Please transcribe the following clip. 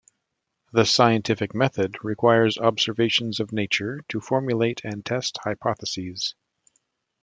The scientific method requires observations of nature to formulate and test hypotheses.